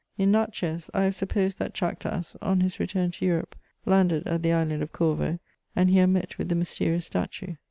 In " Natehez," I have supposed that Chactas, on his return to Eiurope, landed at the island of Corvo, and here met with the mysterious statue.